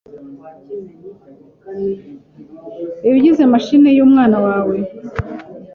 ibigize machine y’umwana wawe